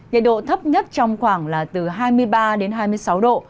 nhiệt độ thấp nhất trong khoảng là từ hai mươi ba đến hai mươi sáu độ